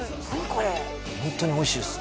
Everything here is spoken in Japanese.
これホントにおいしいです